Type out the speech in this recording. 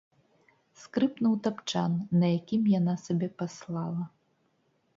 Скрыпнуў тапчан, на якім яна сабе паслала.